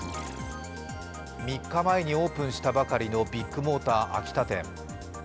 ３日前にオープンしたばかりのビッグモーター秋田店。